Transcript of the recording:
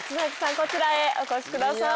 こちらへお越しください。